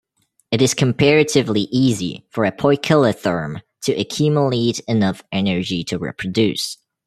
It is comparatively easy for a poikilotherm to accumulate enough energy to reproduce.